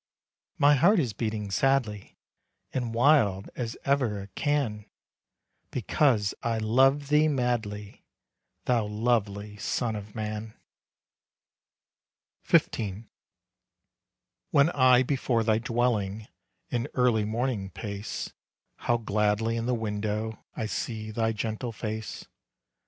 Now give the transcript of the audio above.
"My heart is beating sadly And wild as ever it can, Because I love thee madly, Thou lovely son of man." XV. When I before thy dwelling, In early morning pace, How gladly in the window I see thy gentle face.